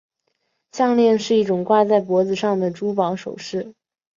项链是一种挂在脖子上的珠宝饰品。